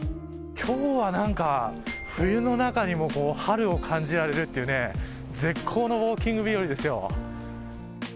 今日は何か冬の中にも春を感じられるっていうね絶好のウオーキング日和ですよ。